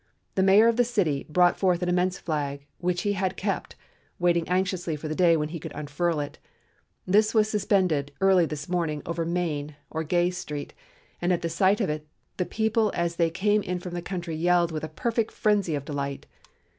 The mayor of the city brought forth an immense flag, which he had kept, waiting anxiously for the day when he could unfurl it. This was suspended early this morning over Main (or Gay) Street, and at the sight of it the people as they came in from the country yelled with a perfect frenzy of delight.